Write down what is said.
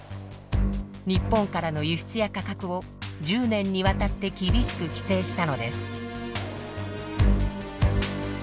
日本からの輸出や価格を１０年にわたって厳しく規制したのです。